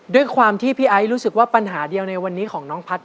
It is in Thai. ด้วยความที่พี่ไอซ์รู้สึกว่าปัญหาเดียวในวันนี้ของน้องพัฒน